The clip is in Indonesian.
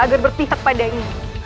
agar berpihak padanya